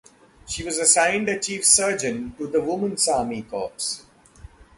She was assigned as Chief Surgeon to the Women's Army Corps.